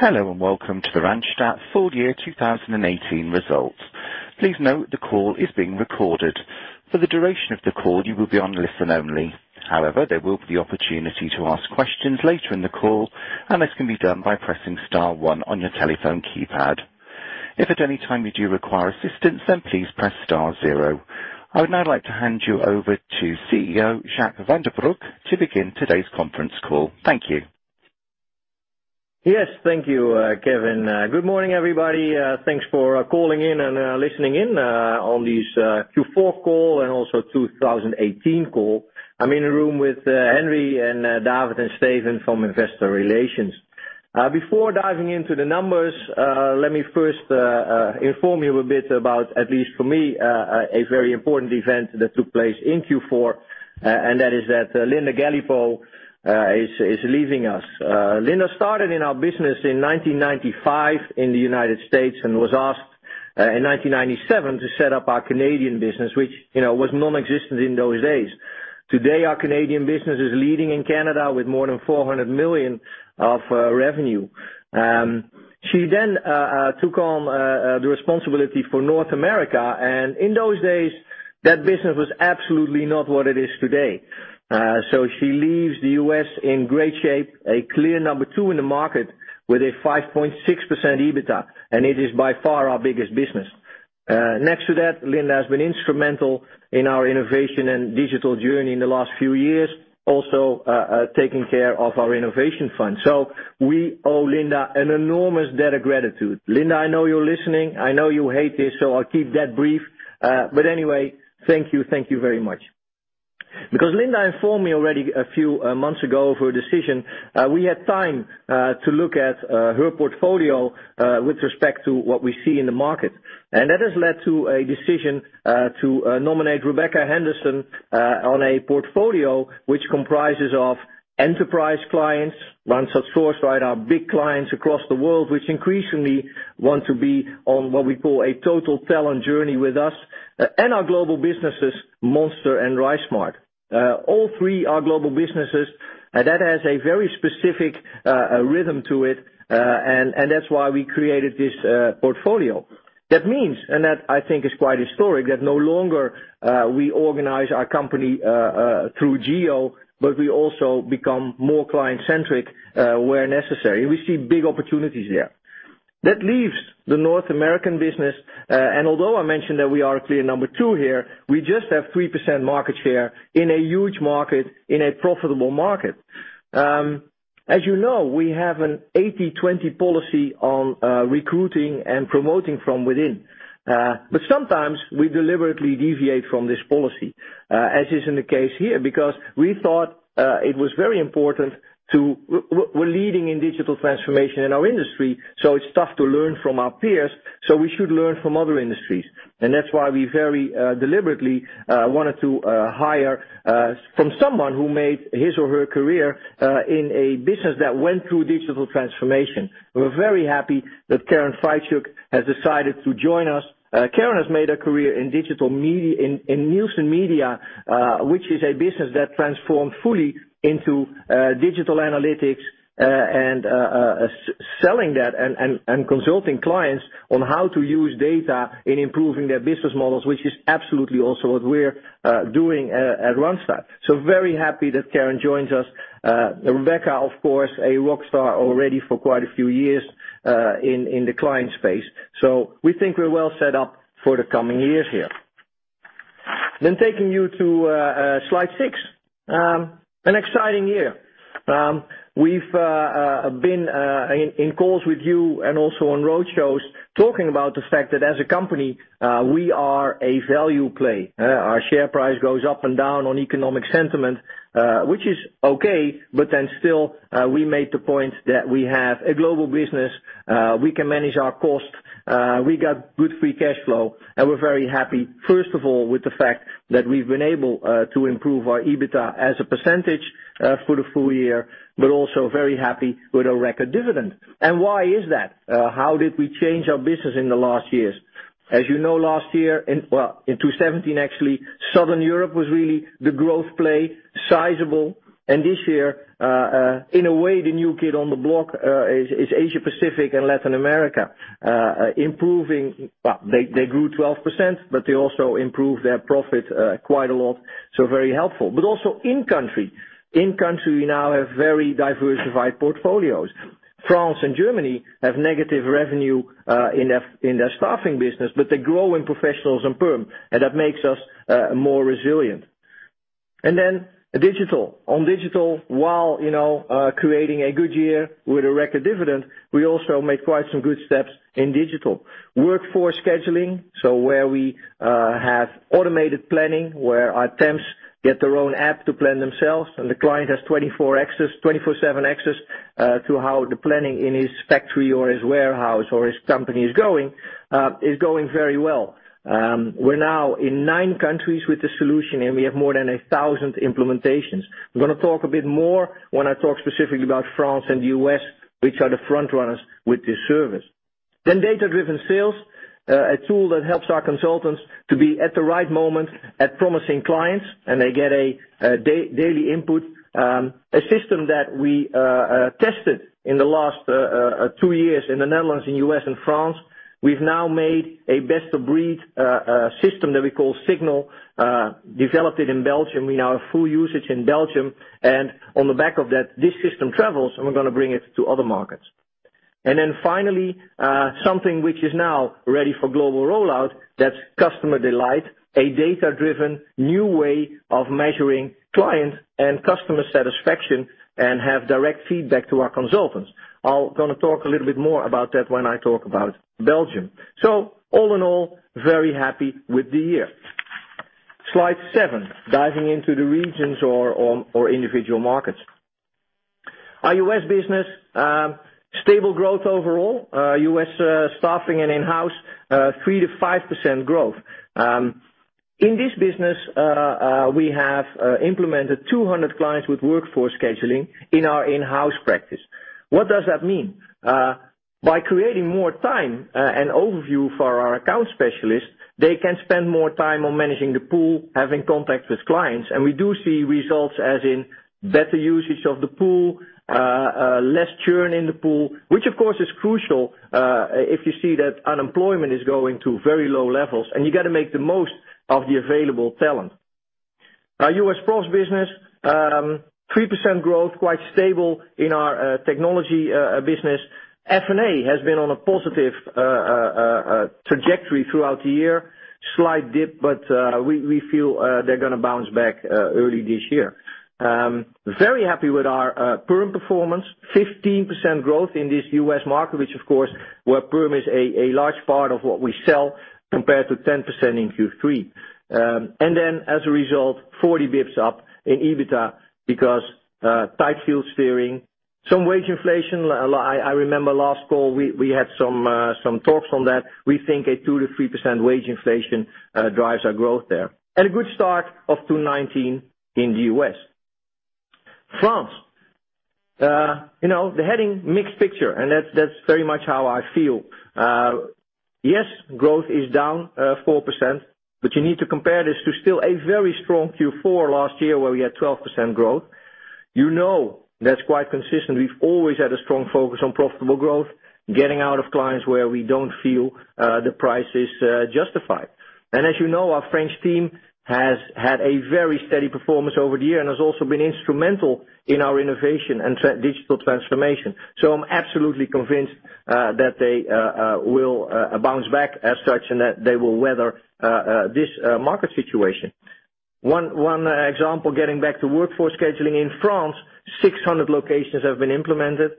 Hello. Welcome to the Randstad Full Year 2018 results. Please note the call is being recorded. For the duration of the call, you will be on listen only. However, there will be opportunity to ask questions later in the call, and this can be done by pressing star one on your telephone keypad. If at any time you do require assistance, please press star zero. I would now like to hand you over to CEO Jacques van den Broek to begin today's conference call. Thank you. Yes. Thank you, Kevin. Good morning, everybody. Thanks for calling in and listening in on this Q4 call and also 2018 call. I'm in a room with Henry and David, and Steven from Investor Relations. Before diving into the numbers, let me first inform you a bit about, at least for me, a very important event that took place in Q4, and that is that Linda Galipeau is leaving us. Linda started in our business in 1995 in the United States and was asked in 1997 to set up our Canadian business, which was nonexistent in those days. Today, our Canadian business is leading in Canada with more than 400 million of revenue. She took on the responsibility for North America, and in those days, that business was absolutely not what it is today. She leaves the U.S. in great shape, a clear number two in the market with a 5.6% EBITDA, and it is by far our biggest business. Next to that, Linda has been instrumental in our innovation and digital journey in the last few years, also taking care of our innovation fund. We owe Linda an enormous debt of gratitude. Linda, I know you're listening. I know you hate this, so I'll keep that brief. Anyway, thank you. Thank you very much. Because Linda informed me already a few months ago of her decision, we had time to look at her portfolio with respect to what we see in the market. That has led to a decision to nominate Rebecca Henderson on a portfolio which comprises of enterprise clients, Randstad Sourceright, our big clients across the world, which increasingly want to be on what we call a total talent journey with us, and our global businesses, Monster and RiseSmart. All three are global businesses. That has a very specific rhythm to it, and that's why we created this portfolio. That means, and that I think is quite historic, that no longer we organize our company through geo, but we also become more client-centric where necessary. We see big opportunities there. That leaves the North American business. Although I mentioned that we are a clear number two here, we just have 3% market share in a huge market, in a profitable market. As you know, we have an 80/20 policy on recruiting and promoting from within. Sometimes we deliberately deviate from this policy, as is in the case here, because we thought it was very important to. We're leading in digital transformation in our industry, so it's tough to learn from our peers, so we should learn from other industries. That's why we very deliberately wanted to hire from someone who made his or her career in a business that went through digital transformation. We're very happy that Karen Fichuk has decided to join us. Karen has made a career in Nielsen Media, which is a business that transformed fully into digital analytics and selling that and consulting clients on how to use data in improving their business models, which is absolutely also what we're doing at Randstad. Very happy that Karen joins us. Rebecca, of course, a rock star already for quite a few years in the client space. We think we're well set up for the coming years here. Taking you to slide six. An exciting year. We've been in calls with you and also on road shows talking about the fact that as a company, we are a value play. Our share price goes up and down on economic sentiment, which is okay, but still, we made the point that we have a global business, we can manage our cost, we got good free cash flow, and we're very happy, first of all, with the fact that we've been able to improve our EBITDA as a percentage for the full year, but also very happy with our record dividend. Why is that? How did we change our business in the last years? As you know, last year, in 2017 actually, Southern Europe was really the growth play, sizable. This year, in a way, the new kid on the block is Asia-Pacific and Latin America. They grew 12%, but they also improved their profit quite a lot. Very helpful. Also in country. In country, we now have very diversified portfolios. France and Germany have negative revenue in their staffing business, but they grow in professionals and perm, and that makes us more resilient. Then digital. On digital, while creating a good year with a record dividend, we also made quite some good steps in digital. Workforce scheduling, so where we have automated planning, where our temps get their own app to plan themselves, and the client has 24/7 access to how the planning in his factory or his warehouse or his company is going, is going very well. We're now in nine countries with the solution, and we have more than 1,000 implementations. I'm going to talk a bit more when I talk specifically about France and the U.S., which are the front runners with this service. Data-driven sales, a tool that helps our consultants to be at the right moment at promising clients, and they get a daily input. A system that we tested in the last two years in the Netherlands, in the U.S., and France. We've now made a best-of-breed system that we call Signal, developed it in Belgium. We now have full usage in Belgium, and on the back of that, this system travels and we're going to bring it to other markets. Then finally, something which is now ready for global rollout, that's customer delight, a data-driven new way of measuring client and customer satisfaction and have direct feedback to our consultants. I'm going to talk a little bit more about that when I talk about Belgium. All in all, very happy with the year. Slide seven, diving into the regions or individual markets. Our U.S. business, stable growth overall. U.S. staffing and in-house, 3%-5% growth. In this business, we have implemented 200 clients with workforce scheduling in our in-house practice. What does that mean? By creating more time and overview for our account specialists, they can spend more time on managing the pool, having contact with clients. We do see results as in better usage of the pool, less churn in the pool, which of course is crucial, if you see that unemployment is going to very low levels, and you got to make the most of the available talent. Our U.S. Pro business, 3% growth, quite stable in our technology business. F&A has been on a positive trajectory throughout the year. Slight dip, we feel they're going to bounce back early this year. Very happy with our perm performance. 15% growth in this U.S. market, which of course, where perm is a large part of what we sell compared to 10% in Q3. As a result, 40 basis points up in EBITDA because tight field steering, some wage inflation. I remember last call, we had some talks on that. We think a 2%-3% wage inflation drives our growth there. A good start of 2019 in the U.S. France. The heading, mixed picture, that's very much how I feel. Growth is down 4%, you need to compare this to still a very strong Q4 last year, where we had 12% growth. You know that's quite consistent. We've always had a strong focus on profitable growth, getting out of clients where we don't feel the price is justified. As you know, our French team has had a very steady performance over the year and has also been instrumental in our innovation and digital transformation. I'm absolutely convinced that they will bounce back as such and that they will weather this market situation. One example, getting back to workforce scheduling in France, 600 locations have been implemented,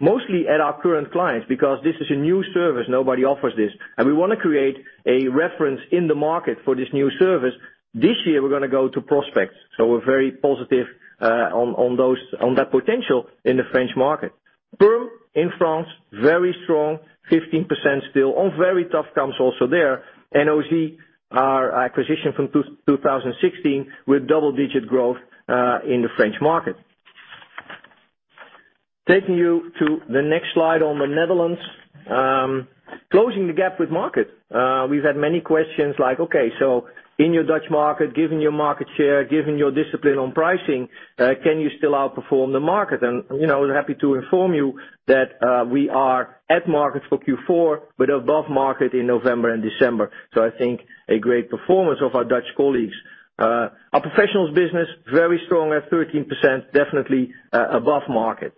mostly at our current clients because this is a new service. Nobody offers this. We want to create a reference in the market for this new service. This year, we're going to go to prospects. We're very positive on that potential in the French market. Perm in France, very strong, 15% still on very tough comps also there. Ausy, our acquisition from 2016, with double-digit growth, in the French market. Taking you to the next slide on the Netherlands. Closing the gap with market. We've had many questions like, "In your Dutch market, given your market share, given your discipline on pricing, can you still outperform the market?" We're happy to inform you that we are at market for Q4, above market in November and December. I think a great performance of our Dutch colleagues. Our professionals business, very strong at 13%, definitely above market.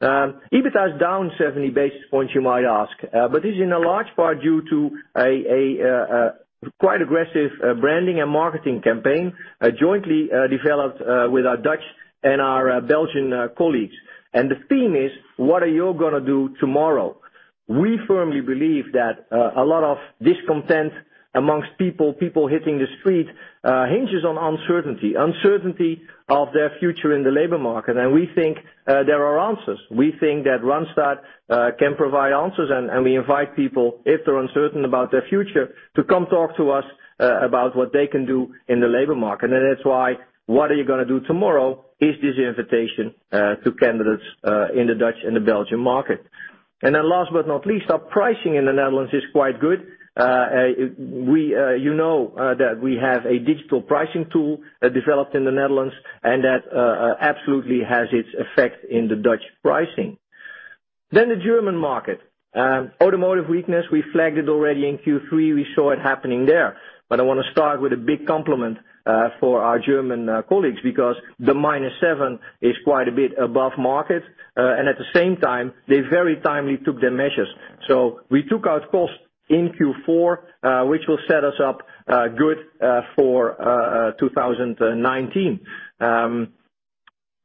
EBITDA is down 70 basis points, you might ask. This is in a large part due to a quite aggressive branding and marketing campaign, jointly developed with our Dutch and our Belgian colleagues. The theme is, what are you going to do tomorrow? We firmly believe that a lot of discontent amongst people hitting the street, hinges on uncertainty. Uncertainty of their future in the labor market. We think there are answers. We think that Randstad can provide answers, and we invite people, if they're uncertain about their future, to come talk to us about what they can do in the labor market. That's why, "What are you going to do tomorrow?" is this invitation to candidates in the Dutch and the Belgian market. Last but not least, our pricing in the Netherlands is quite good. You know that we have a digital pricing tool developed in the Netherlands, and that absolutely has its effect in the Dutch pricing. The German market. Automotive weakness, we flagged it already in Q3. We saw it happening there. I want to start with a big compliment for our German colleagues, because the minus seven is quite a bit above market. At the same time, they very timely took their measures. We took out cost in Q4, which will set us up good for 2019.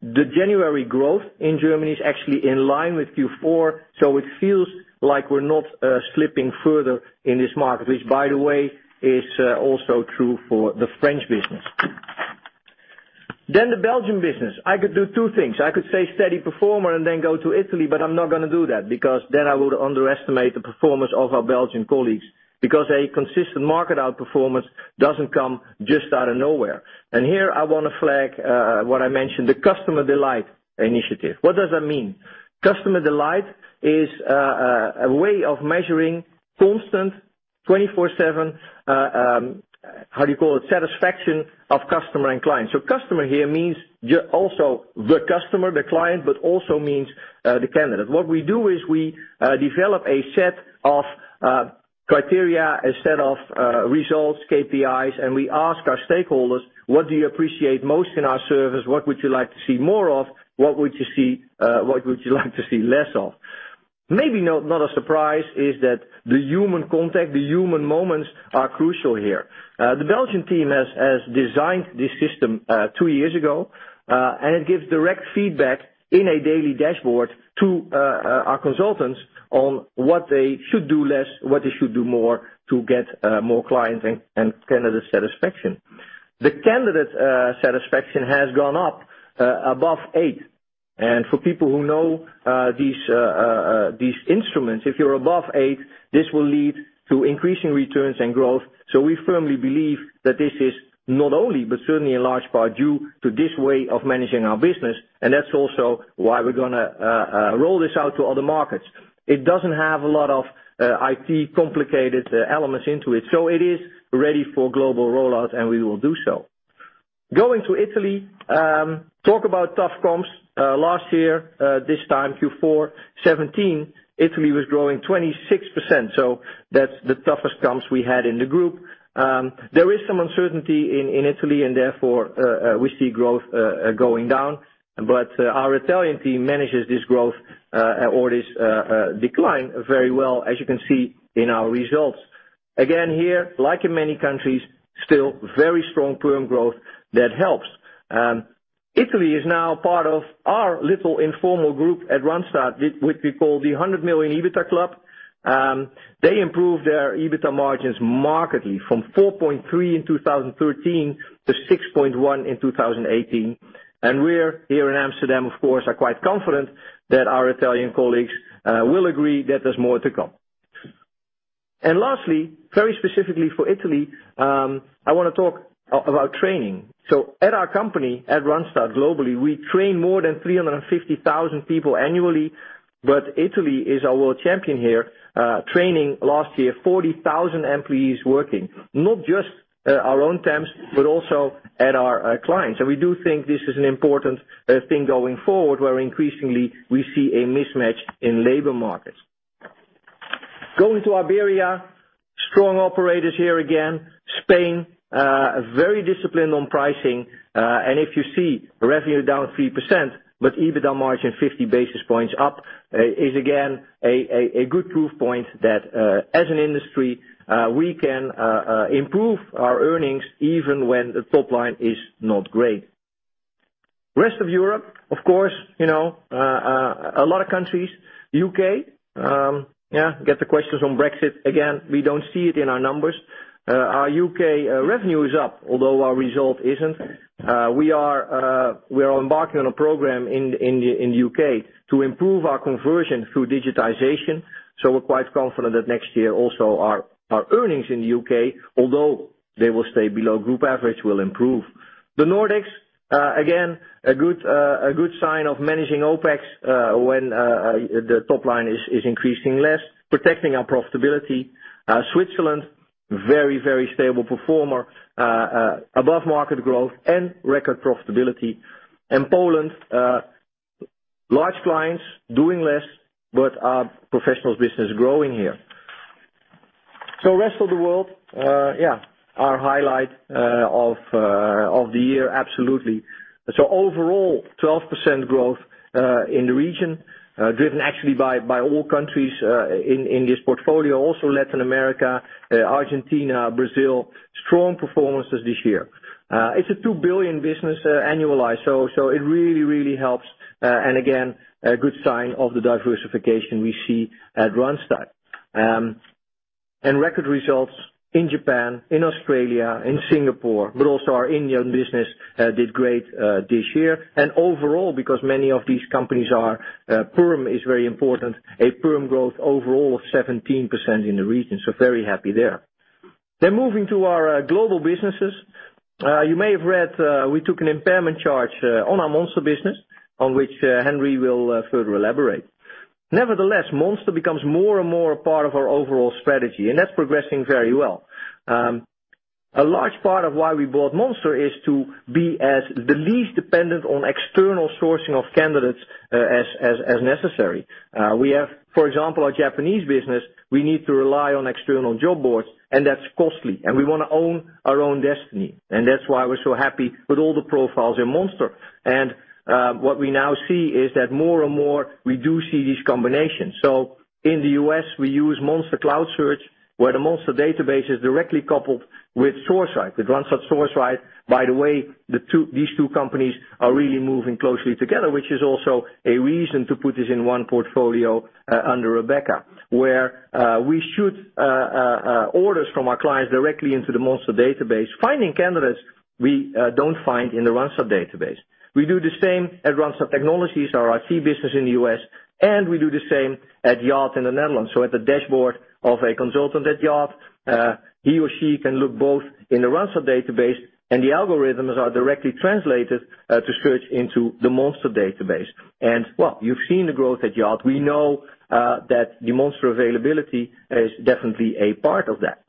The January growth in Germany is actually in line with Q4, it feels like we're not slipping further in this market, which by the way, is also true for the French business. The Belgian business. I could do two things. I could say steady performer and then go to Italy, I'm not going to do that, because then I would underestimate the performance of our Belgian colleagues. A consistent market outperformance doesn't come just out of nowhere. Here I want to flag what I mentioned, the Customer delight initiative. What does that mean? Customer delight is a way of measuring constant 24/7, how do you call it? Satisfaction of customer and client. Customer here means also the customer, the client, but also means the candidate. What we do is we develop a set of criteria, a set of results, KPIs, and we ask our stakeholders, what do you appreciate most in our service? What would you like to see more of? What would you like to see less of? Maybe not a surprise is that the human contact, the human moments are crucial here. The Belgian team has designed this system two years ago, it gives direct feedback in a daily dashboard to our consultants on what they should do less, what they should do more to get more client and candidate satisfaction. The candidate satisfaction has gone up above eight. For people who know these instruments, if you're above eight, this will lead to increasing returns and growth. We firmly believe that this is not only, but certainly in large part due to this way of managing our business, that's also why we're going to roll this out to other markets. It doesn't have a lot of IT complicated elements into it. It is ready for global rollout, we will do so. Going to Italy, talk about tough comps. Last year, this time, Q4 2017, Italy was growing 26%. That's the toughest comps we had in the group. There is some uncertainty in Italy, therefore, we see growth going down. Our Italian team manages this growth or this decline very well, as you can see in our results. Again, here, like in many countries, still very strong perm growth that helps. Italy is now part of our little informal group at Randstad, which we call the 100 Million EBITDA Club. They improved their EBITDA margins markedly from 4.3 in 2013 to 6.1 in 2018. We, here in Amsterdam, of course, are quite confident that our Italian colleagues will agree that there's more to come. Lastly, very specifically for Italy, I want to talk about training. At our company, at Randstad globally, we train more than 350,000 people annually, but Italy is our world champion here, training last year, 40,000 employees working. Not just our own temps, but also at our clients. We do think this is an important thing going forward, where increasingly we see a mismatch in labor markets. Going to Iberia, strong operators here again. Spain, very disciplined on pricing. If you see revenue down 3%, but EBITDA margin 50 basis points up, is again a good proof point that as an industry, we can improve our earnings even when the top line is not great. Rest of Europe, of course, a lot of countries. U.K., yeah, get the questions on Brexit. Again, we don't see it in our numbers. Our U.K. revenue is up, although our result isn't. We are embarking on a program in the U.K. to improve our conversion through digitization. We're quite confident that next year also our earnings in the U.K., although they will stay below group average, will improve. The Nordics, again, a good sign of managing OpEx when the top line is increasing less, protecting our profitability. Switzerland, very, very stable performer, above market growth and record profitability. Poland, large clients doing less, but our professionals business growing here. Rest of the world, yeah, our highlight of the year, absolutely. Overall, 12% growth in the region, driven actually by all countries in this portfolio. Also Latin America, Argentina, Brazil, strong performances this year. It's a 2 billion business annualized, so it really, really helps. Again, a good sign of the diversification we see at Randstad. Record results in Japan, in Australia, in Singapore, but also our Indian business did great this year. Overall, because many of these companies are perm is very important, a perm growth overall of 17% in the region. Very happy there. Moving to our global businesses. You may have read, we took an impairment charge on our Monster business, on which Henry will further elaborate. Nevertheless, Monster becomes more and more a part of our overall strategy, and that's progressing very well. A large part of why we bought Monster is to be as the least dependent on external sourcing of candidates as necessary. We have, for example, our Japanese business, we need to rely on external job boards, and that's costly, and we want to own our own destiny. That's why we're so happy with all the profiles in Monster. What we now see is that more and more we do see these combinations. In the U.S., we use Monster Cloud Search, where the Monster database is directly coupled with Sourceright, with Randstad Sourceright. By the way, these two companies are really moving closely together, which is also a reason to put this in one portfolio under Rebecca, where we shoot orders from our clients directly into the Monster database, finding candidates we don't find in the Randstad database. We do the same at Randstad Technologies, our IT business in the U.S., and we do the same at Yacht in the Netherlands. At the dashboard of a consultant at Yacht, he or she can look both in the Randstad database and the algorithms are directly translated to search into the Monster database. You've seen the growth at Yacht. We know that the Monster availability is definitely a part of that.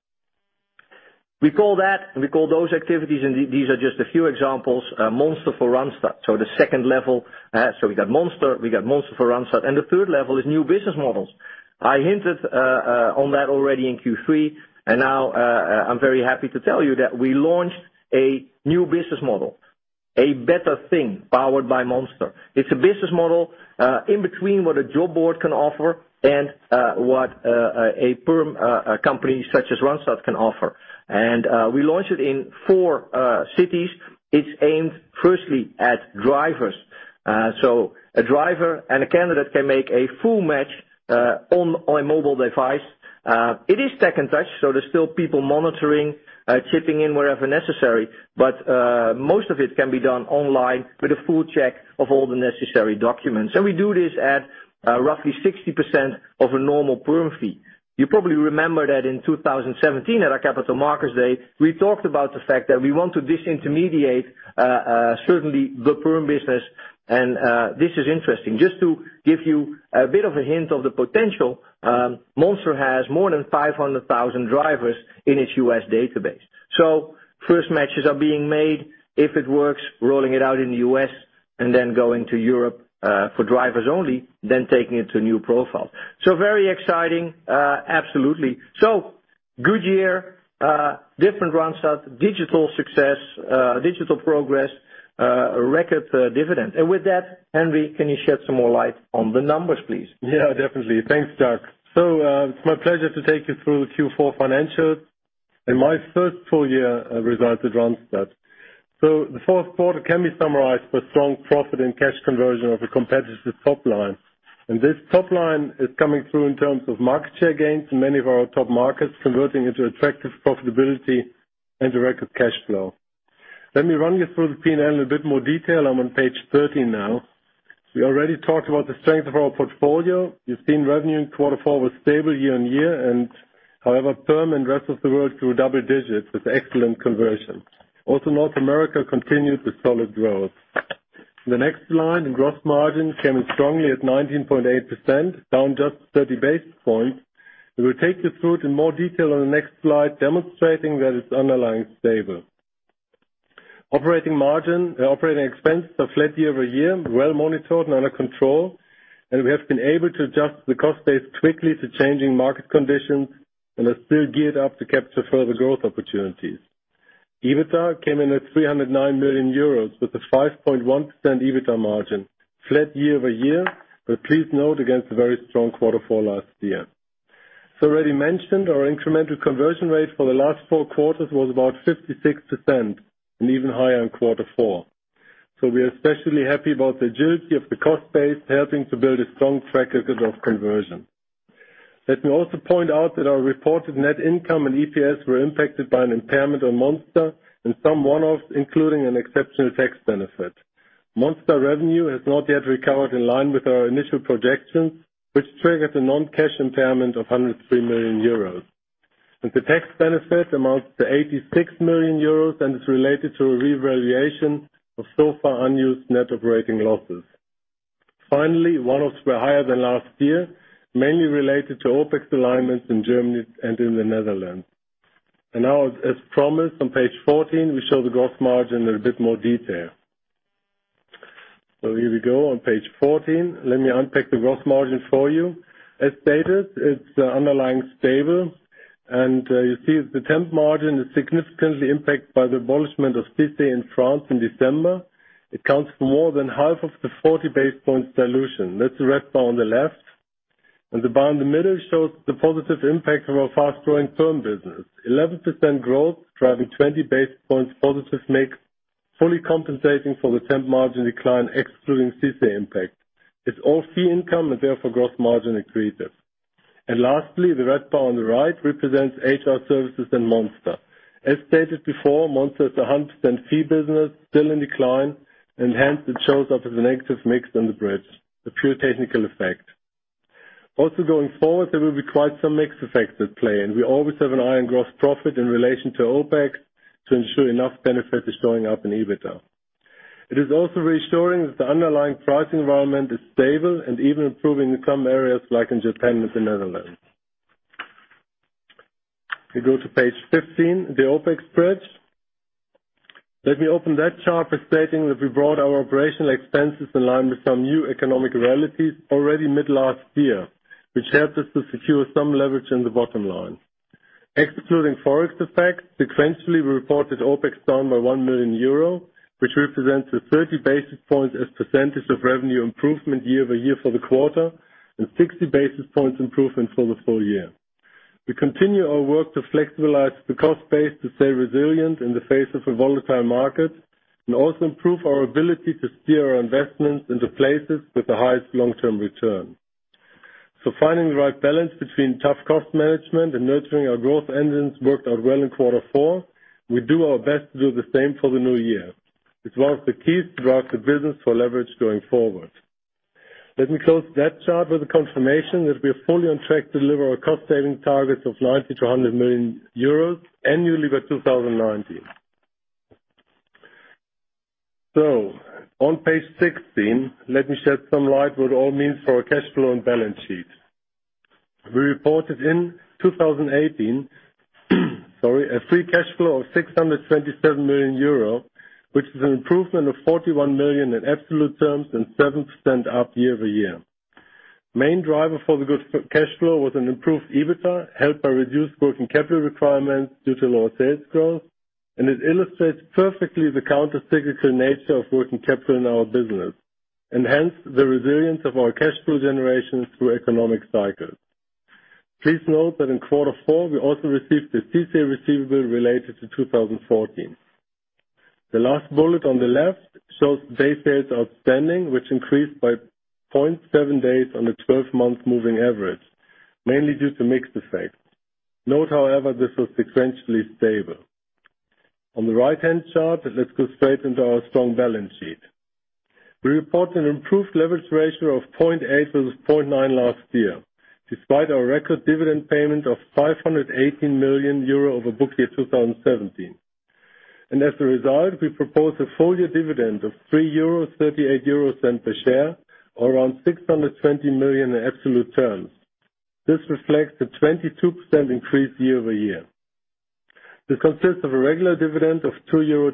We call those activities, and these are just a few examples, Monster for Randstad. The second level, we got Monster for Randstad, the third level is new business models. I hinted on that already in Q3, and now I'm very happy to tell you that we launched a new business model, A Better Thing, powered by Monster. It's a business model in between what a job board can offer and what a perm company such as Randstad can offer. We launched it in four cities. It's aimed firstly at drivers. A driver and a candidate can make a full match on a mobile device. It is tech and touch, there's still people monitoring, chipping in wherever necessary. Most of it can be done online with a full check of all the necessary documents. We do this at roughly 60% of a normal perm fee. You probably remember that in 2017 at our Capital Markets Day, we talked about the fact that we want to disintermediate certainly the perm business, this is interesting. Just to give you a bit of a hint of the potential, Monster has more than 500,000 drivers in its U.S. database. First matches are being made. If it works, rolling it out in the U.S. going to Europe, for drivers only, taking it to new profiles. Very exciting absolutely. Good year, different Randstad, digital success, digital progress, a record dividend. With that, Henry, can you shed some more light on the numbers, please? Definitely. Thanks, Jacques. It's my pleasure to take you through the Q4 financials and my first full year results at Randstad. The fourth quarter can be summarized with strong profit and cash conversion of a competitive top line. This top line is coming through in terms of market share gains in many of our top markets, converting into attractive profitability and a record cash flow. Let me run you through the P&L in a bit more detail. I'm on page 13 now. We already talked about the strength of our portfolio. You've seen revenue in quarter four was stable year-over-year, however, perm and rest of the world grew double digits with excellent conversion. Also North America continued with solid growth. The next line in gross margin came in strongly at 19.8%, down just 30 basis points. We will take you through it in more detail on the next slide, demonstrating that it's underlying stable. Operating margin, operating expenses are flat year-over-year, well monitored and under control, and we have been able to adjust the cost base quickly to changing market conditions and are still geared up to capture further growth opportunities. EBITDA came in at 309 million euros with a 5.1% EBITDA margin, flat year-over-year, but please note against a very strong quarter four last year. As already mentioned, our incremental conversion rate for the last four quarters was about 56% and even higher in quarter four. We are especially happy about the agility of the cost base helping to build a strong track record of conversion. Let me also point out that our reported net income and EPS were impacted by an impairment on Monster and some one-offs, including an exceptional tax benefit. Monster revenue has not yet recovered in line with our initial projections, which triggered a non-cash impairment of 103 million euros. The tax benefit amounts to 86 million euros and is related to a revaluation of so far unused net operating losses. Finally, one-offs were higher than last year, mainly related to OpEx alignments in Germany and in the Netherlands. Now, as promised on page 14, we show the gross margin in a bit more detail. Here we go on page 14. Let me unpack the gross margin for you. As stated, it's underlying stable, and you see the temp margin is significantly impacted by the abolishment of CICE in France in December. It counts for more than half of the 40 basis points dilution. That's the red bar on the left. The bar in the middle shows the positive impact of our fast-growing perm business. 11% growth driving 20 basis points positive mix, fully compensating for the temp margin decline excluding CICE impact. It's all fee income and therefore gross margin accretive. Lastly, the red bar on the right represents HR services and Monster. As stated before, Monster is a 100% fee business, still in decline, and hence it shows up as a negative mix on the bridge. A pure technical effect. Also going forward, there will be quite some mix effects at play, and we always have an eye on gross profit in relation to OpEx to ensure enough benefit is showing up in EBITDA. It is also reassuring that the underlying pricing environment is stable and even improving in some areas like in Japan and the Netherlands. We go to page 15, the OpEx bridge. Let me open that chart by stating that we brought our operational expenses in line with some new economic realities already mid last year, which helped us to secure some leverage in the bottom line. Excluding ForEx effects, sequentially, we reported OpEx down by 1 million euro, which represents a 30 basis points as percentage of revenue improvement year-over-year for the quarter and 60 basis points improvement for the full year. We continue our work to flexibilize the cost base to stay resilient in the face of a volatile market and also improve our ability to steer our investments into places with the highest long-term return. Finding the right balance between tough cost management and nurturing our growth engines worked out well in quarter four. We do our best to do the same for the new year. It's one of the keys to drive the business for leverage going forward. Let me close that chart with a confirmation that we are fully on track to deliver our cost saving targets of 90 million-100 million euros annually by 2019. On page 16, let me shed some light what it all means for our cash flow and balance sheet. We reported in 2018, a free cash flow of 627 million euro, which is an improvement of 41 million in absolute terms and 7% up year-over-year. Main driver for the good cash flow was an improved EBITDA, helped by reduced working capital requirements due to lower sales growth. It illustrates perfectly the countercyclical nature of working capital in our business, hence the resilience of our cash flow generation through economic cycles. Please note that in quarter four, we also received the CICE receivable related to 2014. The last bullet on the left shows day sales outstanding, which increased by 0.7 days on the 12-month moving average, mainly due to mix effects. Note, however, this was sequentially stable. On the right-hand chart, let's go straight into our strong balance sheet. We report an improved leverage ratio of 0.8 versus 0.9 last year, despite our record dividend payment of 518 million euro over book year 2017. As a result, we propose a full-year dividend of 3.38 euro per share or around 620 million in absolute terms. This reflects a 22% increase year-over-year. This consists of a regular dividend of 2.27 euro,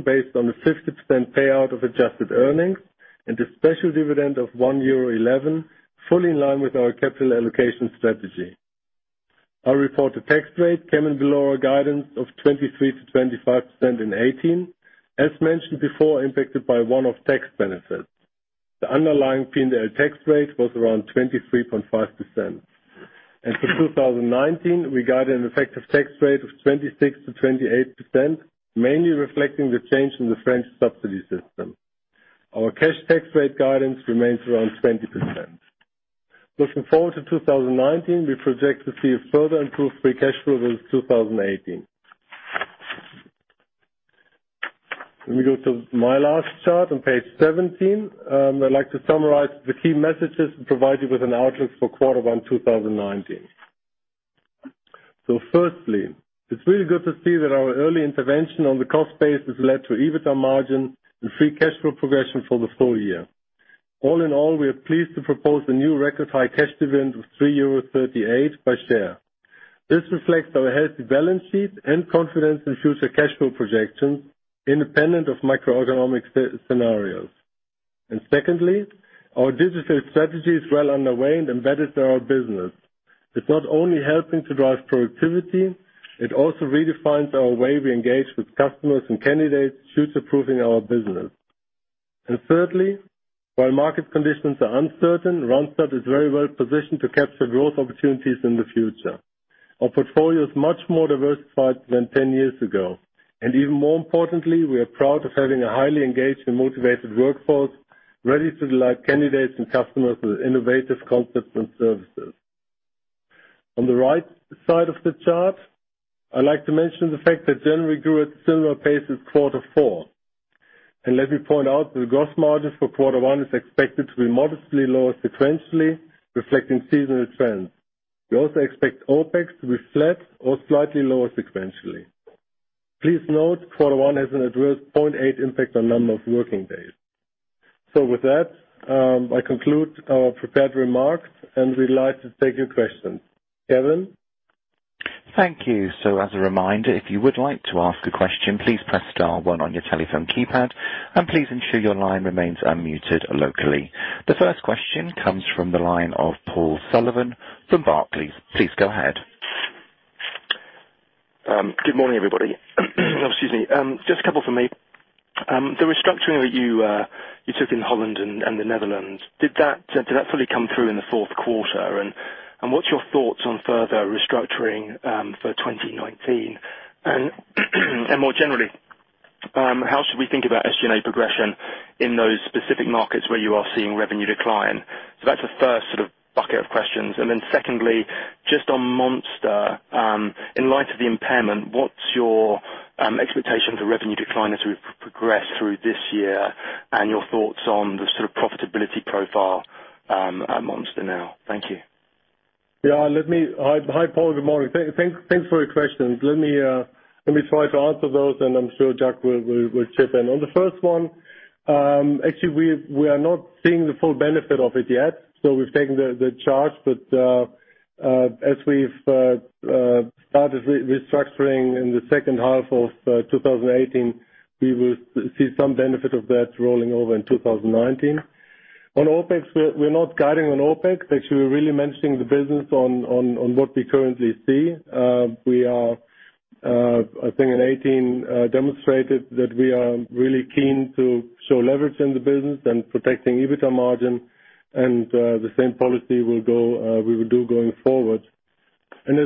based on a 50% payout of adjusted earnings, and a special dividend of 1.11 euro, fully in line with our capital allocation strategy. Our reported tax rate came in below our guidance of 23%-25% in 2018. As mentioned before, impacted by one-off tax benefits. The underlying P&L tax rate was around 23.5%. For 2019, we guide an effective tax rate of 26%-28%, mainly reflecting the change in the French subsidy system. Our cash tax rate guidance remains around 20%. Looking forward to 2019, we project to see a further improved free cash flow versus 2018. Let me go to my last chart on page 17. I'd like to summarize the key messages and provide you with an outlook for quarter one 2019. Firstly, it's really good to see that our early intervention on the cost base has led to EBITDA margin and free cash flow progression for the full year. All in all, we are pleased to propose a new record high cash dividend of 3.38 euros by share. This reflects our healthy balance sheet and confidence in future cash flow projections independent of macroeconomic scenarios. Secondly, our digital strategy is well underway and embedded through our business. It's not only helping to drive productivity, it also redefines our way we engage with customers and candidates, future-proofing our business. Thirdly, while market conditions are uncertain, Randstad is very well positioned to capture growth opportunities in the future. Our portfolio is much more diversified than 10 years ago. Even more importantly, we are proud of having a highly engaged and motivated workforce ready to delight candidates and customers with innovative concepts and services. On the right side of the chart, I'd like to mention the fact that January grew at a similar pace as quarter four. Let me point out the gross margins for quarter one is expected to be modestly lower sequentially, reflecting seasonal trends. We also expect OpEx to be flat or slightly lower sequentially. Please note, quarter one has an adverse 0.8 impact on number of working days. With that, I conclude our prepared remarks and we'd like to take your questions. Kevin? Thank you. As a reminder, if you would like to ask a question, please press star one on your telephone keypad and please ensure your line remains unmuted locally. The first question comes from the line of Paul Sullivan from Barclays. Please go ahead. Good morning, everybody. Excuse me. Just a couple from me. The restructuring that you took in Holland and the Netherlands, did that fully come through in the fourth quarter? What's your thoughts on further restructuring for 2019? More generally, how should we think about SG&A progression in those specific markets where you are seeing revenue decline? That's the first sort of bucket of questions. Then secondly, just on Monster. In light of the impairment, what's your expectation for revenue decline as we progress through this year and your thoughts on the sort of profitability profile at Monster now? Thank you. Yeah. Hi, Paul. Good morning. Thanks for your questions. Let me try to answer those and I'm sure Jack will chip in. On the first one, actually, we are not seeing the full benefit of it yet, so we've taken the charge. As we've started re-restructuring in the second half of 2018, we will see some benefit of that rolling over in 2019. On OpEx, we're not guiding on OpEx. Actually, we're really managing the business on what we currently see. I think in 2018, demonstrated that we are really keen to show leverage in the business and protecting EBITDA margin and the same policy we will do going forward. As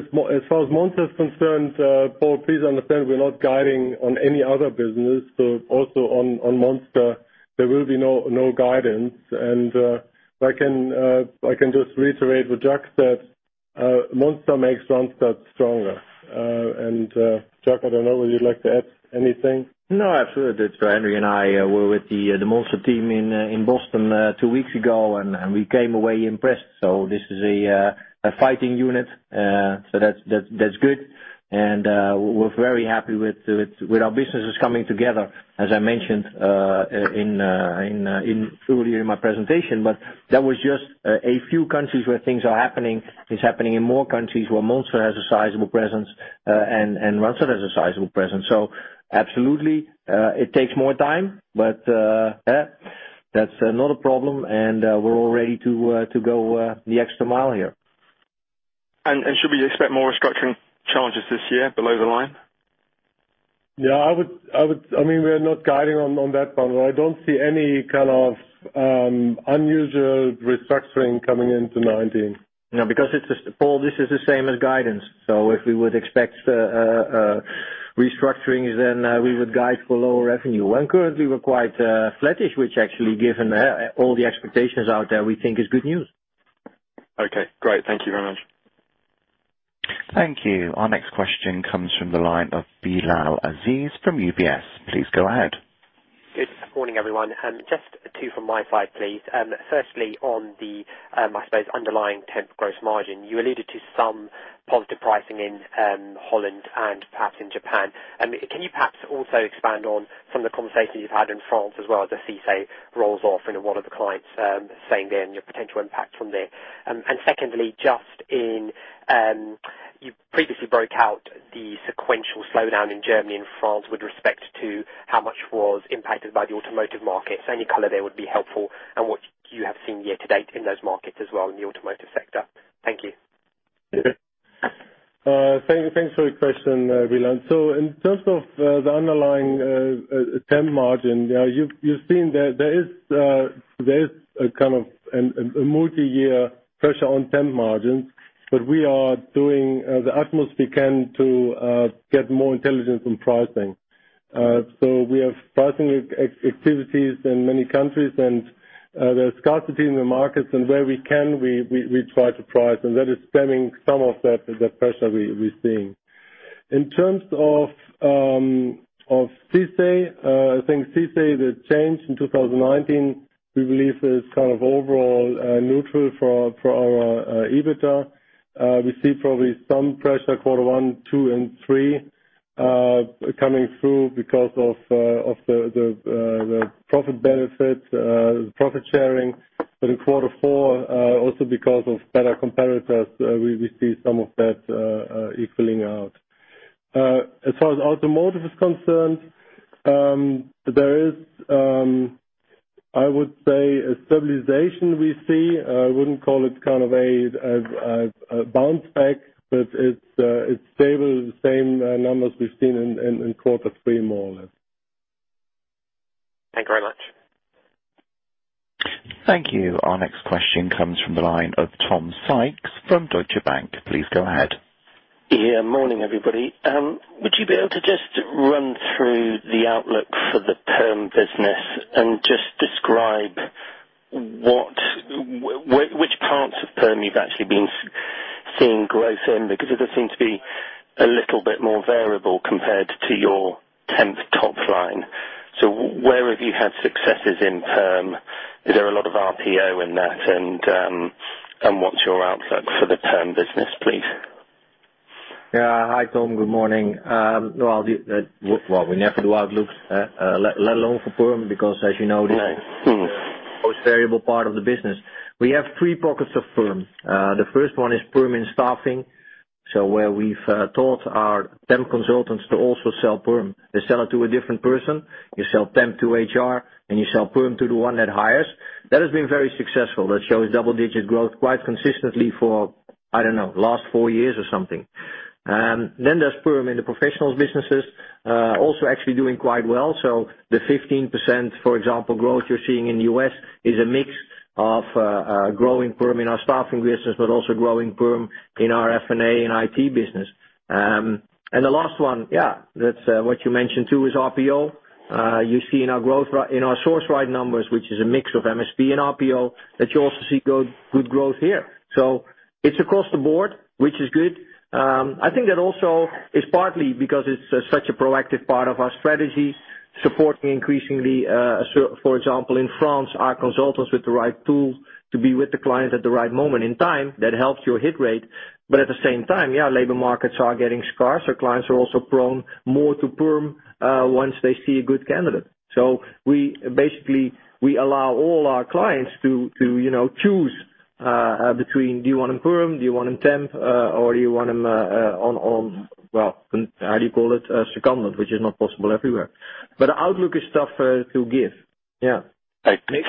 far as Monster is concerned, Paul, please understand we're not guiding on any other business. Also on Monster, there will be no guidance. I can just reiterate what Jack said. Monster makes Randstad stronger. Jacques, I don't know whether you'd like to add anything? No, absolutely. Henry and I were with the Monster team in Boston two weeks ago, and we came away impressed. This is a fighting unit, so that's good. We're very happy with our businesses coming together, as I mentioned earlier in my presentation. That was just a few countries where things are happening. It's happening in more countries where Monster has a sizable presence, and Randstad has a sizable presence. Absolutely, it takes more time, but that's not a problem, and we're all ready to go the extra mile here. Should we expect more restructuring challenges this year below the line? Yeah. We're not guiding on that one. I don't see any kind of unusual restructuring coming into 2019. Because, Paul, this is the same as guidance. If we would expect restructurings, then we would guide for lower revenue. Currently we're quite flattish, which actually, given all the expectations out there, we think is good news. Great. Thank you very much. Thank you. Our next question comes from the line of Bilal Aziz from UBS. Please go ahead. Good morning, everyone. Just two from my side, please. Firstly, on the, I suppose, underlying temp gross margin. You alluded to some positive pricing in Holland and perhaps in Japan. Can you perhaps also expand on some of the conversations you've had in France as well as the CICE rolls off and what are the clients saying there and your potential impact from there? Secondly, you previously broke out the sequential slowdown in Germany and France with respect to how much was impacted by the automotive markets. Any color there would be helpful and what you have seen year-to-date in those markets as well in the automotive sector. Thank you. Okay. Thanks for the question, Bilal. In terms of the underlying temp margin, you've seen there is a multi-year pressure on temp margins, but we are doing the utmost we can to get more intelligence on pricing. We have pricing activities in many countries, and there's scarcity in the markets, and where we can, we try to price, and that is stemming some of that pressure we're seeing. In terms of CICE, I think CICE, the change in 2019, we believe is overall neutral for our EBITDA. We see probably some pressure quarter 1, 2, and 3 coming through because of the profit benefits, the profit sharing. In quarter 4, also because of better competitors, we see some of that equaling out. As far as automotive is concerned, there is, I would say, a stabilization we see. I wouldn't call it a bounce back, but it's stable. The same numbers we've seen in quarter 3, more or less. Thank you very much. Thank you. Our next question comes from the line of Tom Sykes from Deutsche Bank. Please go ahead. Morning, everybody. Would you be able to just run through the outlook for the perm business and just describe which parts of perm you've actually been seeing growth in? They seem to be a little bit more variable compared to your temp top line. Where have you had successes in perm? Is there a lot of RPO in that? What's your outlook for the perm business, please? Hi, Tom. Good morning. We never do outlooks, let alone for perm, because as you know, this is the most variable part of the business. We have three pockets of perm. The first one is perm in staffing. Where we've taught our temp consultants to also sell perm. They sell it to a different person. You sell temp to HR, you sell perm to the one that hires. That has been very successful. That shows double-digit growth quite consistently for, I don't know, last four years or something. There's perm in the professionals businesses, also actually doing quite well. The 15%, for example, growth you're seeing in the U.S. is a mix of growing perm in our staffing business, but also growing perm in our F&A and IT business. The last one, that's what you mentioned, too, is RPO. You see in our growth, in our Sourceright numbers, which is a mix of MSP and RPO, that you also see good growth here. It's across the board, which is good. I think that also is partly because it's such a proactive part of our strategy, supporting increasingly, for example, in France, our consultants with the right tools to be with the clients at the right moment in time, that helps your hit rate. At the same time, labor markets are getting scarce. Clients are also prone more to perm once they see a good candidate. Basically, we allow all our clients to choose between do you want them perm, do you want them temp, or do you want them on, how do you call it, secondment, which is not possible everywhere. Outlook is tough to give. Okay.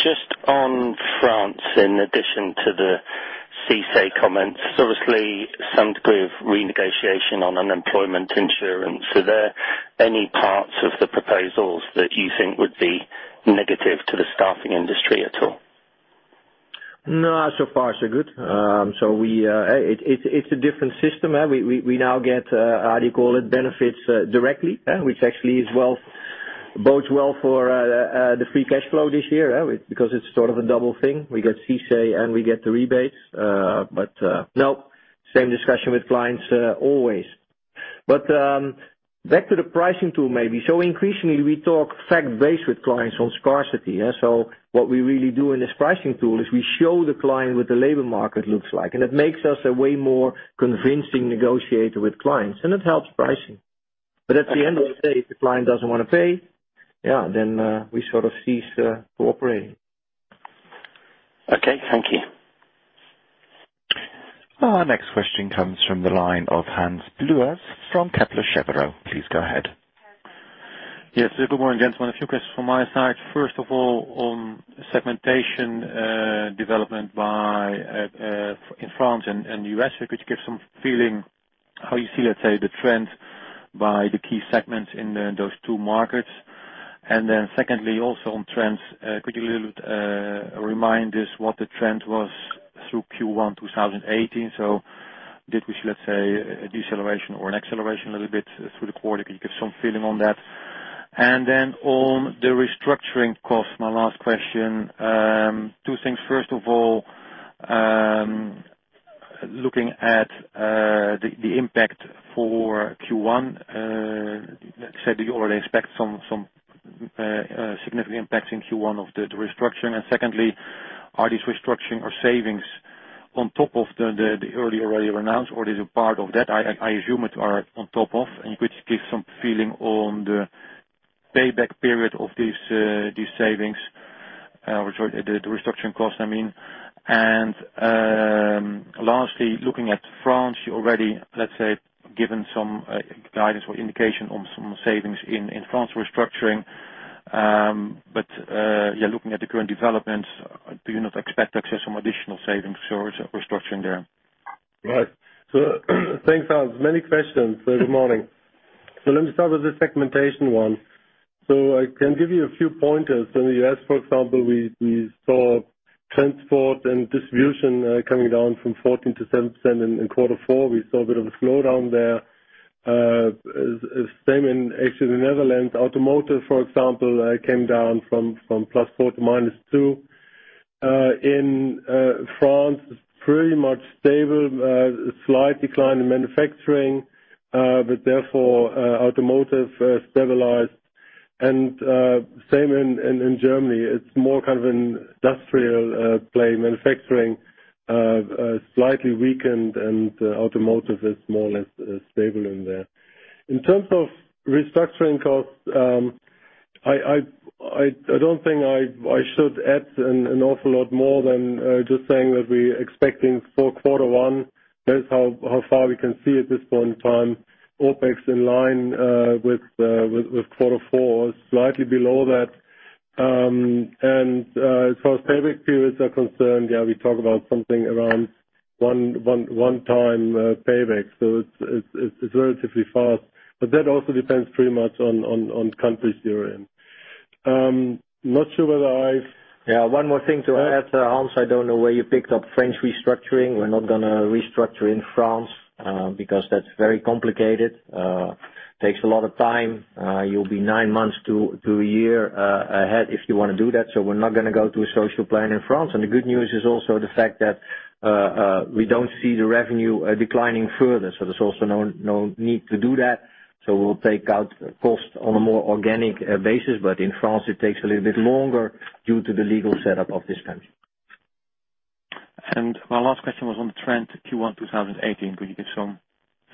Just on France, in addition to the CICE comments, obviously some degree of renegotiation on unemployment insurance. Are there any parts of the proposals that you think would be negative to the staffing industry at all? No. So far, so good. It's a different system. We now get, how do you call it, benefits directly, which actually Bodes well for the free cash flow this year, because it's sort of a double thing. We get CICE and we get the rebates. No, same discussion with clients always. Back to the pricing tool maybe. Increasingly we talk fact-based with clients on scarcity. What we really do in this pricing tool is we show the client what the labor market looks like, and it makes us a way more convincing negotiator with clients, and it helps pricing. At the end of the day, if the client doesn't want to pay, then we cease cooperating. Okay. Thank you. Our next question comes from the line of Hans Pluijgers from Kepler Cheuvreux. Please go ahead. Yes. Good morning, gentlemen. A few questions from my side. First of all, on segmentation, development in France and U.S. Could you give some feeling how you see, let's say, the trend by the key segments in those two markets? Secondly, also on trends, could you remind us what the trend was through Q1 2018? Did we see, let's say, a deceleration or an acceleration a little bit through the quarter? Could you give some feeling on that? On the restructuring cost, my last question, two things. First of all, looking at the impact for Q1, let's say, do you already expect some significant impact in Q1 of the restructuring? Secondly, are these restructuring or savings on top of the earlier announced, or is it part of that? I assume it are on top of, you could give some feeling on the payback period of these savings, the restructuring cost, I mean. Lastly, looking at France, you already, let's say, given some guidance or indication on some savings in France restructuring. Looking at the current developments, do you not expect to see some additional savings or restructuring there? Right. Thanks, Hans. Many questions. Good morning. Let me start with the segmentation one. I can give you a few pointers. In the U.S., for example, we saw transport and distribution coming down from 14% to 7%. In quarter four, we saw a bit of a slowdown there. Same in actually the Netherlands. Automotive, for example, came down from +4 to -2. In France, it's pretty much stable. A slight decline in manufacturing, but therefore automotive stabilized and same in Germany. It's more an industrial play. Manufacturing slightly weakened and automotive is more or less stable in there. In terms of restructuring costs, I don't think I should add an awful lot more than just saying that we're expecting for quarter one. That is how far we can see at this point in time. OpEx in line with quarter four, slightly below that. As far as payback periods are concerned, yeah, we talk about something around one-time payback. It's relatively fast, but that also depends pretty much on countries therein. I'm not sure whether I've. Yeah, one more thing to add there, Hans. I don't know where you picked up French restructuring. We're not going to restructure in France, because that's very complicated. Takes a lot of time. You'll be 9 months to a year ahead if you want to do that. We're not going to go to a social plan in France. The good news is also the fact that we don't see the revenue declining further. There's also no need to do that. We'll take out cost on a more organic basis. In France, it takes a little bit longer due to the legal setup of this country. My last question was on the trend Q1 2018. Could you give some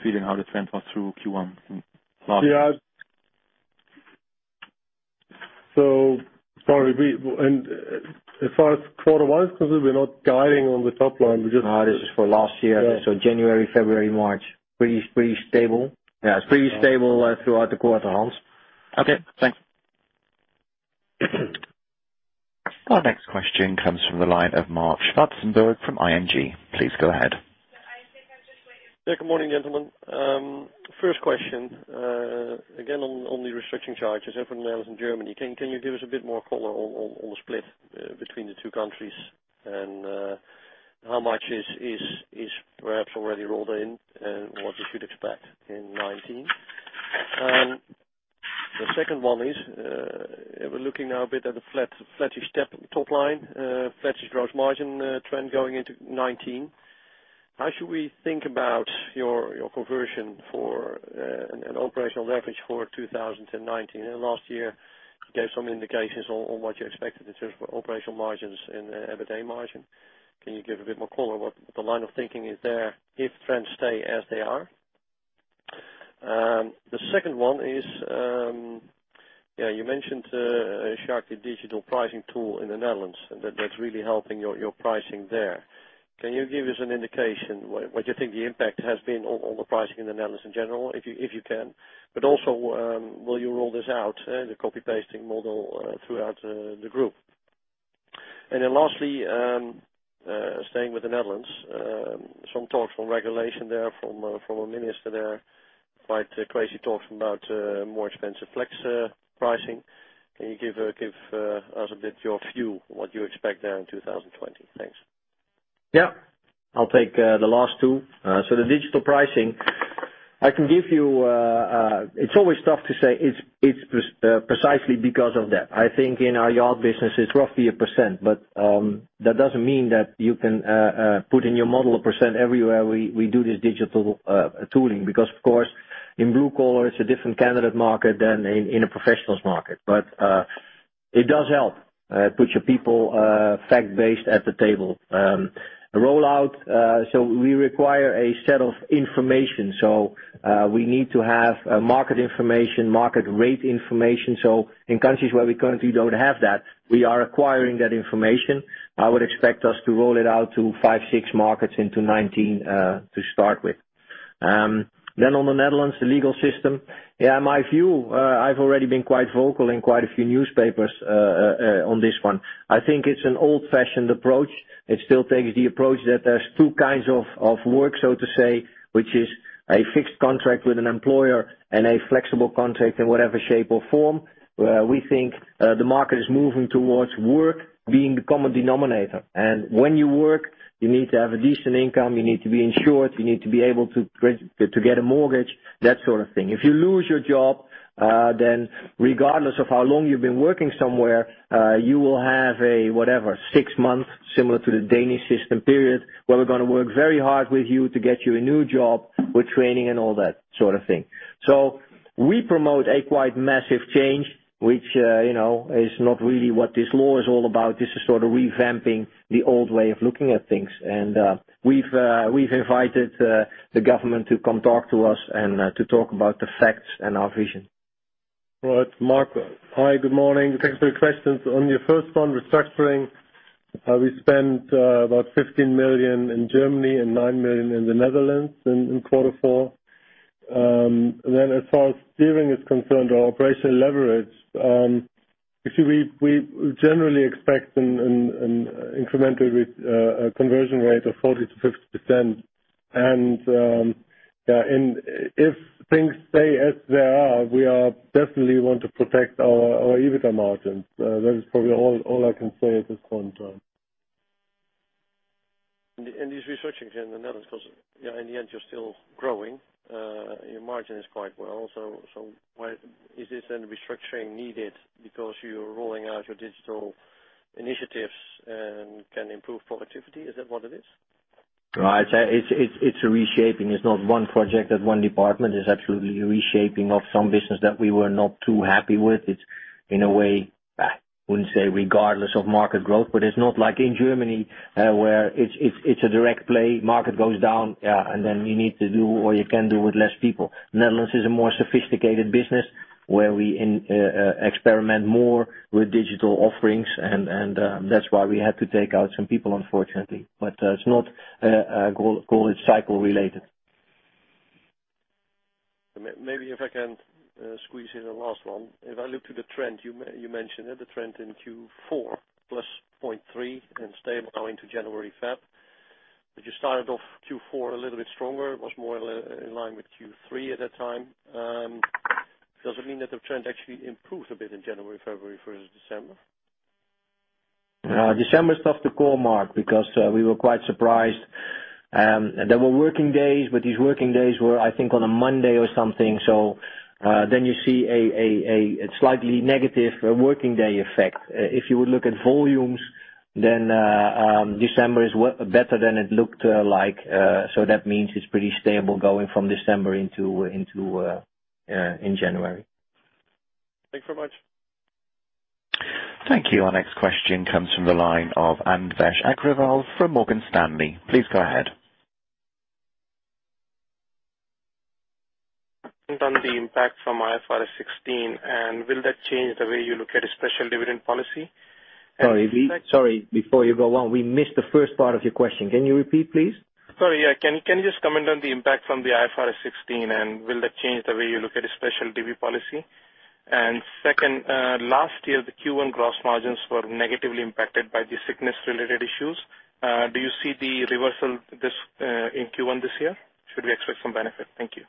feeling how the trend was through Q1 last year? Yeah. As far as quarter one is concerned, we're not guiding on the top line. We just. No, this is for last year. Yeah. January, February, March. Pretty stable? Yeah, it's pretty stable throughout the quarter, Hans. Okay, thanks. Our next question comes from the line of Marc Zwartsenburg from ING. Please go ahead. Yeah, I think I'm just waiting. Yeah, good morning, gentlemen. First question, again on the restructuring charges, everything else in Germany. Can you give us a bit more color on the split between the two countries and how much is perhaps already rolled in and what we should expect in 2019? The second one is, we're looking now a bit at the flattish step top line, flattish gross margin trend going into 2019. How should we think about your conversion for an operational leverage for 2019? Last year, you gave some indications on what you expected in terms of operational margins and the EBITDA margin. Can you give a bit more color what the line of thinking is there if trends stay as they are? The second one is, you mentioned, Sjaak, the digital pricing tool in the Netherlands, and that that's really helping your pricing there. Can you give us an indication what you think the impact has been on the pricing in the Netherlands in general, if you can. Also, will you roll this out, the copy-pasting model, throughout the group? Lastly, staying with the Netherlands, some talks on regulation there from a minister there. Quite crazy talks about more expensive flex pricing. Can you give us a bit your view on what you expect there in 2020? Thanks. Yeah. I'll take the last two. The digital pricing, it's always tough to say it's precisely because of that. I think in our Yacht business, it's roughly 1%, but that doesn't mean that you can put in your model 1% everywhere we do this digital tooling, because of course, in blue collar, it's a different candidate market than in a professionals market. It does help put your people fact-based at the table. Rollout, we require a set of information. We need to have market information, market rate information. In countries where we currently don't have that, we are acquiring that information. I would expect us to roll it out to five, six markets into 2019 to start with. On the Netherlands legal system, my view, I've already been quite vocal in quite a few newspapers on this one. I think it's an old-fashioned approach. It still takes the approach that there's two kinds of work, so to say, which is a fixed contract with an employer and a flexible contract in whatever shape or form. We think the market is moving towards work being the common denominator. When you work, you need to have a decent income, you need to be insured, you need to be able to get a mortgage, that sort of thing. If you lose your job, regardless of how long you've been working somewhere, you will have a, whatever, six months, similar to the Danish system period, where we're going to work very hard with you to get you a new job with training and all that sort of thing. We promote a quite massive change, which is not really what this law is all about. This is sort of revamping the old way of looking at things. We've invited the government to come talk to us and to talk about the facts and our vision. All right. Marc. Hi, good morning. Thanks for the questions. On your first one, restructuring. We spent about 15 million in Germany and 9 million in the Netherlands in Q4. As far as steering is concerned or operational leverage, actually, we generally expect an incremental conversion rate of 40%-50%. If things stay as they are, we definitely want to protect our EBITDA margins. That is probably all I can say at this point in time. This restructuring in the Netherlands, because in the end, you're still growing, your margin is quite well. Is this then restructuring needed because you're rolling out your digital initiatives and can improve productivity? Is that what it is? Right. It's a reshaping. It's not one project at one department, it's absolutely a reshaping of some business that we were not too happy with. It's in a way, I wouldn't say regardless of market growth, but it's not like in Germany, where it's a direct play, market goes down, and then you need to do, or you can do with less people. Netherlands is a more sophisticated business where we experiment more with digital offerings, and that's why we had to take out some people, unfortunately. It's not call it cycle-related. Maybe if I can squeeze in a last one. If I look to the trend, you mentioned that the trend in Q4 +0.3 and stable now into January, February. You started off Q4 a little bit stronger, was more in line with Q3 at that time. Does it mean that the trend actually improved a bit in January, February versus December? December is tough to call Marc, because we were quite surprised. There were working days, but these working days were, I think, on a Monday or something. You see a slightly negative working day effect. If you would look at volumes, then December is better than it looked like. That means it's pretty stable going from December in January. Thanks very much. Thank you. Our next question comes from the line of Anvesh Agrawal from Morgan Stanley. Please go ahead. Done the impact from IFRS 16. Will that change the way you look at a special dividend policy? Sorry, before you go on, we missed the first part of your question. Can you repeat, please? Sorry, yeah. Can you just comment on the impact from the IFRS 16 and will that change the way you look at a special divvy policy? Second, last year, the Q1 gross margins were negatively impacted by the sickness-related issues. Do you see the reversal in Q1 this year? Should we expect some benefit? Thank you.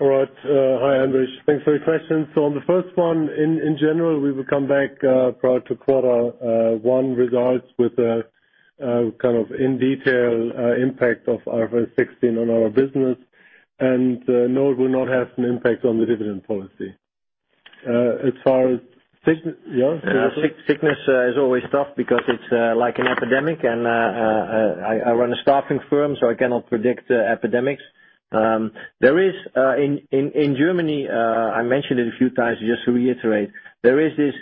All right. Hi, Anvesh. Thanks for your questions. On the first one, in general, we will come back prior to quarter one results with a kind of in detail impact of IFRS 16 on our business, no, it will not have an impact on the dividend policy. As far as sickness-- Yeah. Sickness is always tough because it's like an epidemic, and I run a staffing firm, so I cannot predict epidemics. In Germany, I mentioned it a few times, just to reiterate, there is this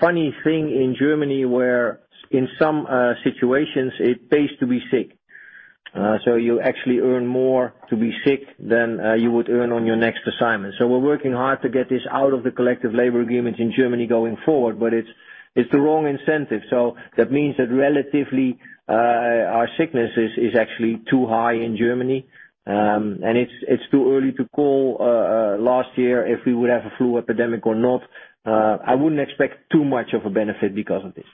funny thing in Germany where in some situations it pays to be sick. You actually earn more to be sick than you would earn on your next assignment. We're working hard to get this out of the collective labor agreements in Germany going forward, but it's the wrong incentive. That means that relatively, our sickness is actually too high in Germany, and it's too early to call last year if we would have a flu epidemic or not. I wouldn't expect too much of a benefit because of this.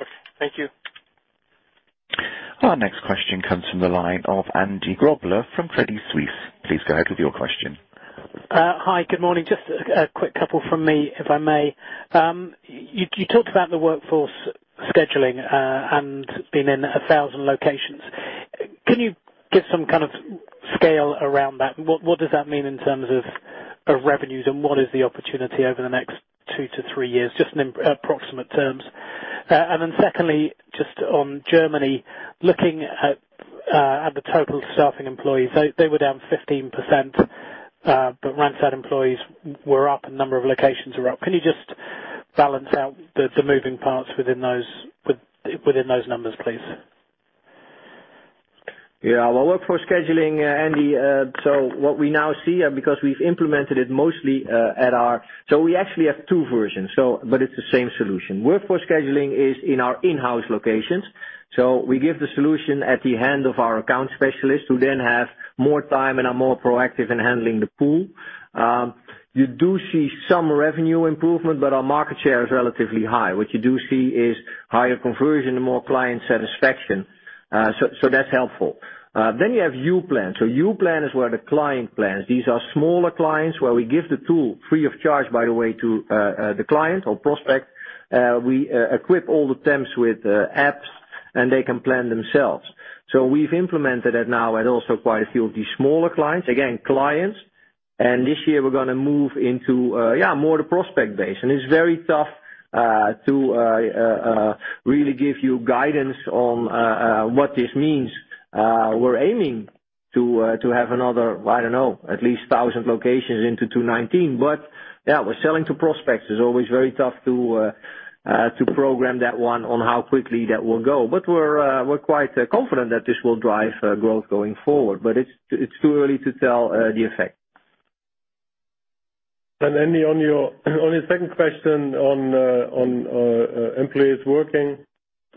Okay. Thank you. Our next question comes from the line of Andy Grobler from Credit Suisse. Please go ahead with your question. Hi, good morning. Just a quick couple from me, if I may. You talked about the workforce scheduling and being in a 1,000 locations. Can you give some kind of scale around that? What does that mean in terms of revenues, and what is the opportunity over the next two to three years? Just in approximate terms. Secondly, just on Germany, looking at the total staffing employees, they were down 15%, but Randstad employees were up and number of locations were up. Can you just balance out the moving parts within those numbers, please? Well, workforce scheduling, Andy, what we now see, because we've implemented it mostly. We actually have two versions, but it's the same solution. Workforce scheduling is in our in-house locations. We give the solution at the hand of our account specialists who then have more time and are more proactive in handling the pool. You do see some revenue improvement, but our market share is relatively high. What you do see is higher conversion and more client satisfaction. That's helpful. You have youplan. youplan is where the client plans. These are smaller clients where we give the tool, free of charge by the way, to the client or prospect. We equip all the temps with apps, and they can plan themselves. We've implemented it now at also quite a few of these smaller clients. Again, clients. This year we're going to move into more the prospect base. It's very tough to really give you guidance on what this means. We're aiming to have another, I don't know, at least 1,000 locations into 2019. Yeah, we're selling to prospects. It's always very tough to program that one on how quickly that will go. We're quite confident that this will drive growth going forward. It's too early to tell the effect. Andy, on your second question on employees working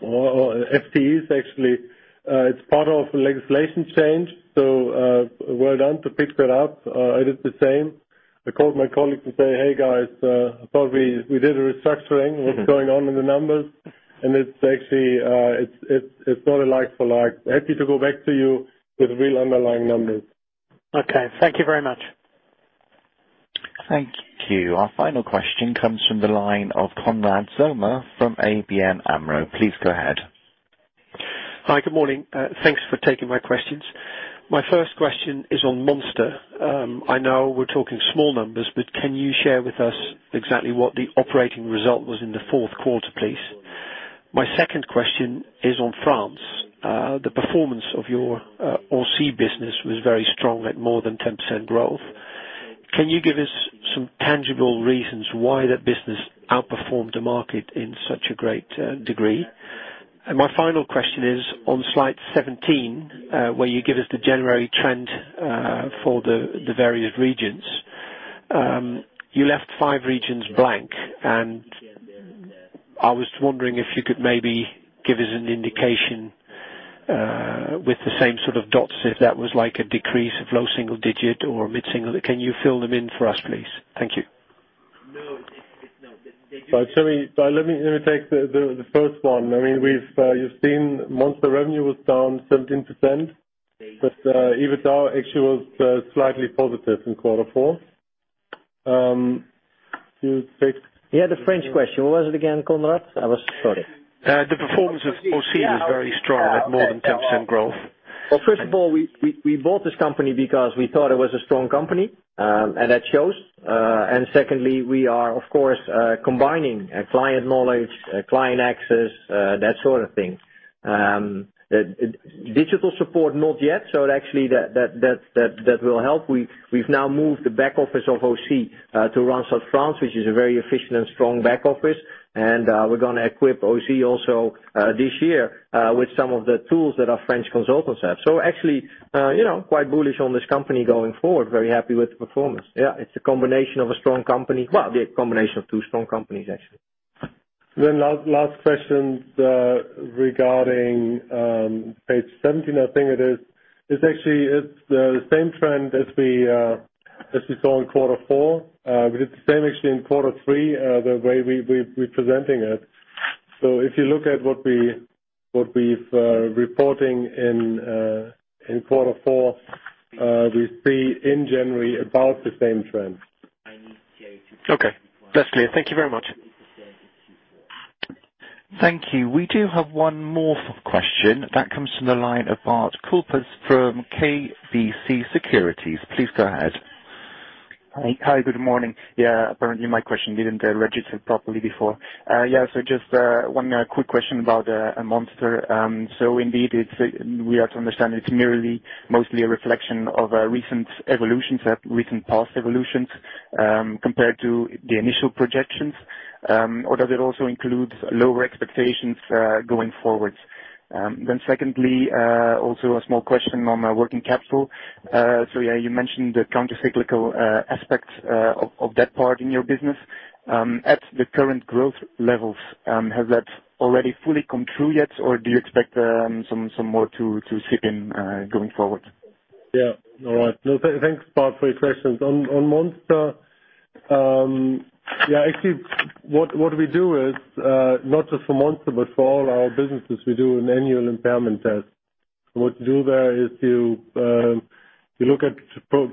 or FTEs actually. It's part of a legislation change, so well done to pick that up. I did the same. I called my colleague to say, "Hey, guys, I thought we did a restructuring. What's going on in the numbers?" It's actually not a like for like. Happy to go back to you with real underlying numbers. Okay. Thank you very much. Thank you. Our final question comes from the line of Konrad Zomer from ABN AMRO. Please go ahead. Hi. Good morning. Thanks for taking my questions. My first question is on Monster. I know we're talking small numbers, but can you share with us exactly what the operating result was in the fourth quarter, please? My second question is on France. The performance of your Ausy business was very strong at more than 10% growth. Can you give us some tangible reasons why that business outperformed the market in such a great degree? My final question is on slide 17, where you give us the January trend for the various regions. You left five regions blank, and I was wondering if you could maybe give us an indication, with the same sort of dots, if that was like a decrease of low single digit or mid-single. Can you fill them in for us, please? Thank you. Let me take the first one. Monster revenue was down 17%, but EBITDA actually was slightly positive in quarter four. Yeah, the French question. What was it again, Konrad? Sorry. The performance of Ausy was very strong at more than 10% growth. First of all, we bought this company because we thought it was a strong company, and that shows. Secondly, we are, of course, combining client knowledge, client access, that sort of thing. Digital support, not yet. Actually, that will help. We've now moved the back office of Ausy to Randstad France, which is a very efficient and strong back office. We're going to equip Ausy also this year with some of the tools that our French consultants have. Actually quite bullish on this company going forward. Very happy with the performance. Yeah, it's a combination of a strong company. The combination of two strong companies, actually. Last question regarding page 17, I think it is. It's actually the same trend as we saw in quarter four. We did the same actually in quarter three, the way we're presenting it. If you look at what we're reporting in quarter four, we see in January about the same trend. Okay. That's clear. Thank you very much. Thank you. We do have one more question that comes from the line of Bart Koopmans from KBC Securities. Please go ahead. Hi. Good morning. Apparently my question didn't register properly before. Just one quick question about Monster. Indeed, we are to understand it's merely mostly a reflection of recent evolutions, recent past evolutions, compared to the initial projections. Or does it also include lower expectations going forward? Secondly, also a small question on working capital. You mentioned the countercyclical aspects of that part in your business. At the current growth levels, has that already fully come through yet, or do you expect some more to ship in, going forward? Yeah. All right. No, thanks, Bart, for your questions. On Monster, actually, what we do is, not just for Monster, but for all our businesses, we do an annual impairment test. What you do there is you look at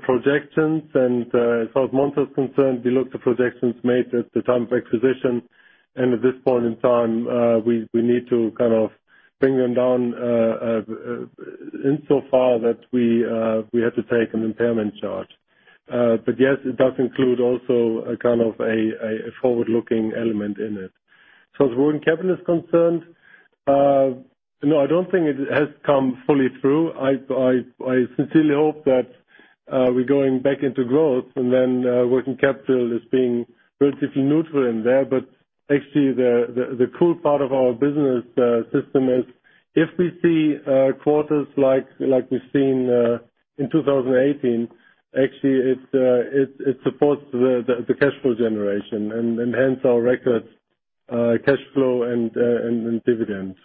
projections and, as far as Monster is concerned, we look at the projections made at the time of acquisition, and at this point in time, we need to kind of bring them down insofar that we had to take an impairment charge. Yes, it does include also a kind of a forward-looking element in it. As working capital is concerned, no, I don't think it has come fully through. I sincerely hope that we're going back into growth and then working capital is being relatively neutral in there. Actually, the cool part of our business system is if we see quarters like we've seen in 2018, actually, it supports the cash flow generation and hence our record cash flow and dividends.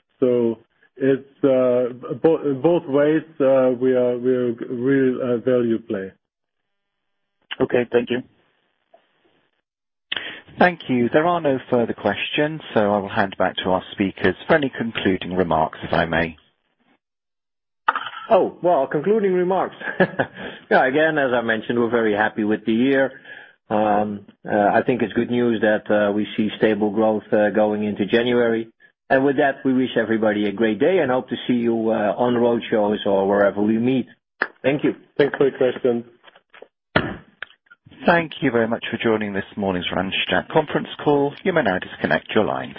In both ways, we're a real value play. Okay. Thank you. Thank you. There are no further questions, so I will hand back to our speakers for any concluding remarks, if I may. Oh, well, concluding remarks. Yeah, again, as I mentioned, we're very happy with the year. I think it's good news that we see stable growth going into January. With that, we wish everybody a great day and hope to see you on roadshows or wherever we meet. Thank you. Thanks for your question. Thank you very much for joining this morning's Randstad conference call. You may now disconnect your lines.